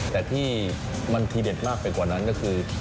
แต่ที่มันทีเด็ดมากไปกว่านั้นก็คือ